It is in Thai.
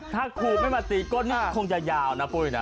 ถ้าครูไม่มาตีก้นนี่คงจะยาวนะปุ้ยนะ